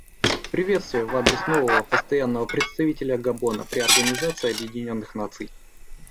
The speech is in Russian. Приветствие в адрес нового Постоянного представителя Габона при Организации Объединенных Наций.